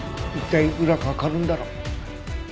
一体いくらかかるんだろう。